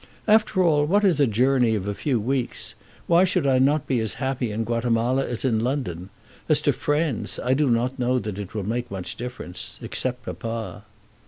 "After all, what is a journey of a few weeks? Why should I not be as happy in Guatemala as in London? As to friends, I do not know that it will make much difference, except papa."